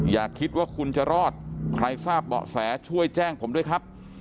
อย่าคิดว่าคุณจะรอดใครทราบเบาะแสช่วยแจ้งผมด้วยครับ